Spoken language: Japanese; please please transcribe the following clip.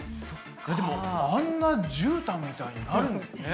でもあんなじゅうたんみたいになるんですね。